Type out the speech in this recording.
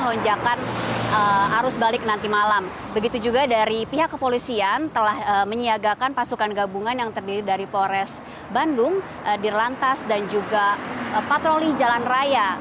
dan juga dari pihak kepolisian telah menyiapkan pasukan gabungan yang terdiri dari polres bandung dirlantas dan juga patroli jalan raya